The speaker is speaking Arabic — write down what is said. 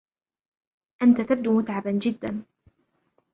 أنتَ تبدو متعباً جداً.